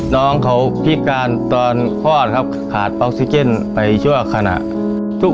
น้องเขาพิการตอนฮอสขาดออกซิเกินไปเจร็จชั่วขนาด